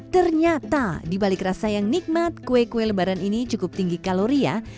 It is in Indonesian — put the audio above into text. ternyata dibalik rasa yang nikmat kue kue lebaran ini cukup tinggi kalori ya